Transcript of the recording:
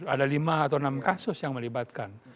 ada lima atau enam kasus yang melibatkan